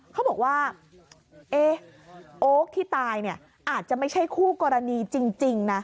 เขาบอกว่าโอ๊คที่ตายเนี่ยอาจจะไม่ใช่คู่กรณีจริงนะ